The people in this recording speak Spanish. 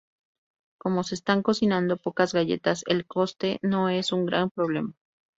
Como se están cocinando pocas galletas, el coste no es un gran problema.